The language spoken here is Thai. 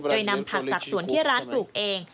โดยนำผักจากสวนที่ร้านปลูกเอง